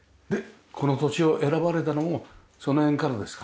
この土地を選ばれたのもその辺からですか？